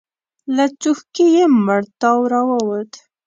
له څوښکي يې مړ تاو راووت.